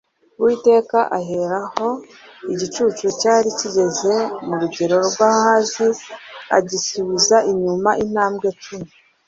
uwiteka ahera aho igicucu cyari kigeze murugero rwa ahazi, agisubiza inyuma intambwe cumi